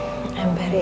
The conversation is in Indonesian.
aku sangat teruja